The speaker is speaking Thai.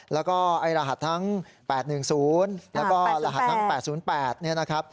แล้วก็รหัสทั้ง๘๑๐แล้วก็รหัสทั้ง๘๐๘